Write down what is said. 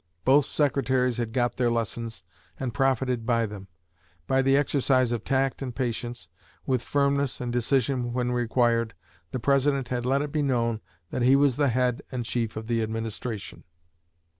Both Secretaries had got their lessons, and profited by them. By the exercise of tact and patience, with firmness and decision when required, the President had let it be known that he was the head and chief of the Administration.